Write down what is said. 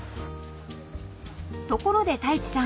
［ところで太一さん